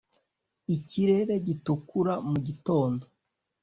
ikirere gitukura mugitondo,